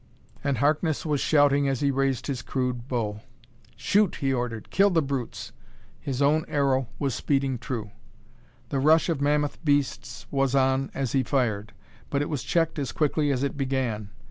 And Harkness was shouting as he raised his crude bow. "Shoot!" he ordered. "Kill the brutes!" His own arrow was speeding true. The rush of mammoth beasts was on as he fired, but it was checked as quickly as it began.